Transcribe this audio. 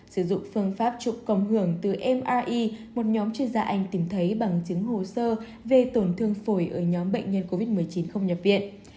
sử dụng phương pháp chụp cộng hưởng từ mri một nhóm chuyên gia anh tìm thấy bằng chứng hồ sơ về tổn thương phổi ở nhóm bệnh nhân covid một mươi chín không nhập viện